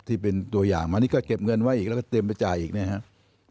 ที่เป็นตัวอย่างมานี่ก็เก็บเงินไว้อีกแล้วก็เตรียมไปจ่ายอีกนะครับ